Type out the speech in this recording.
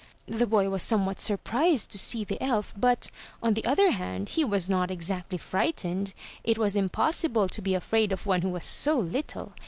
The boy was somewhat surprised to see the elf, but, on the other hand, he was not exactly frightened. It was impossible to be afraid of one who was so little.